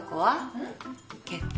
うん？結婚。